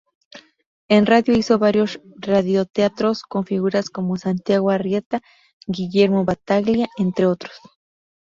En radio hizo varios radioteatros con figuras como Santiago Arrieta, Guillermo Battaglia, entre otros.